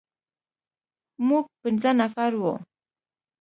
موږ پنځه نفر وو.